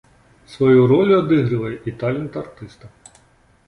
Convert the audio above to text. Сваю ролю адыгрывае і талент артыста.